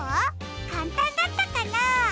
かんたんだったかな？